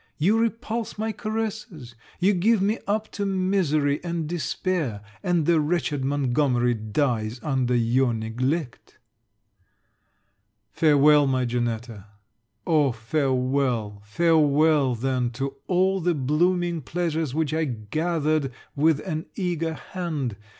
You repulse my caresses! You give me up to misery and despair; and the wretched Montgomery dies under your neglect. Farewel, my Janetta! Oh farewel, farewel, then, to all the blooming pleasures which I gathered with an eager hand!